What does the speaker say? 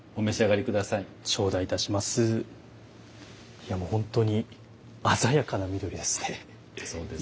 いやもう本当に鮮やかな緑ですね。